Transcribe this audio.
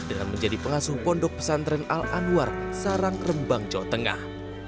dengan menjadi pengasuh pondok pesantren al anwar sarang rembang jawa tengah